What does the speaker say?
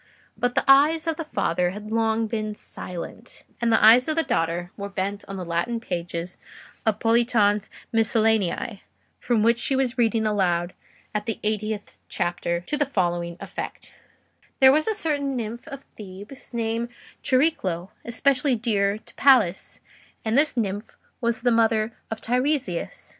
But the eyes of the father had long been silent, and the eyes of the daughter were bent on the Latin pages of Politian's 'Miscellanea,' from which she was reading aloud at the eightieth chapter, to the following effect:— "There was a certain nymph of Thebes named Chariclo, especially dear to Pallas; and this nymph was the mother of Teiresias.